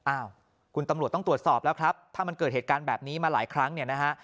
อ้าวคุณตำรวจต้องตรวจสอบแล้วครับถ้ามันเกิดเหตุการณ์แบบนี้มาหลายครั้งเนี่ยนะฮะ